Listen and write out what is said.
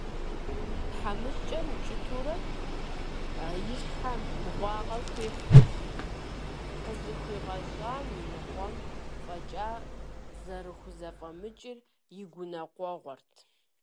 ТхьэмыщкӀэр укӀытэурэ и щхьэ мыгъуагъэ хуихьыжырт, къызыхуигъэщӀам и ныкъуэм фӀэкӀа зэрыхузэфӀэмыкӀыр и гуныкъуэгъуэт.